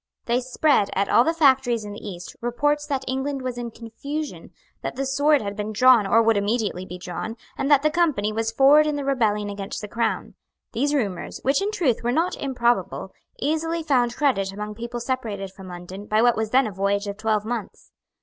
They spread, at all the factories in the East, reports that England was in confusion, that the sword had been drawn or would immediately be drawn, and that the Company was forward in the rebellion against the Crown. These rumours, which, in truth, were not improbable, easily found credit among people separated from London by what was then a voyage of twelve months.